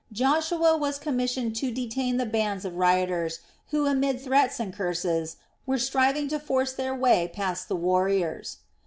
Joshua was commissioned to detain the bands of rioters who, amid threats and curses, were striving to force their way past the warriors.